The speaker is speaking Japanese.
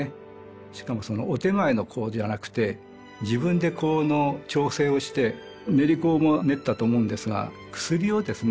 しかもそのお点前の香ではなくて自分で香の調整をして練り香も練ったと思うんですが薬をですね